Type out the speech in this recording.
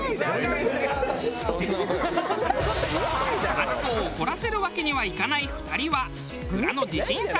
マツコを怒らせるわけにはいかない２人は蔵の自信作